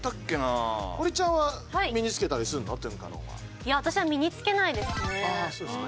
いや私は身につけないですね。